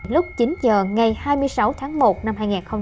lúc chín giờ ngày hai mươi sáu tháng một năm hai nghìn một mươi hai